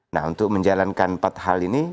nah untuk menjalankan empat hal ini